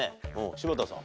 柴田さん。